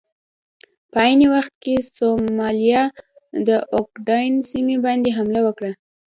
په عین وخت کې سومالیا د اوګادن سیمې باندې حمله وکړه.